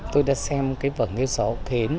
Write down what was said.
tôi đã xem cái vở nghêu xó úc hến